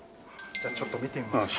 じゃあちょっと見てみますか。